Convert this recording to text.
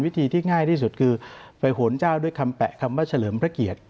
ที่ง่ายที่สุดคือไปโหนเจ้าด้วยคำแปะคำว่าเฉลิมพระเกียรติ